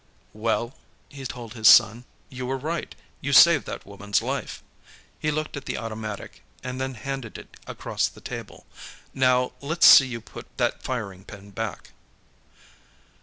"Well," he told his son, "you were right. You saved that woman's life." He looked at the automatic, and then handed it across the table. "Now, let's see you put that firing pin back."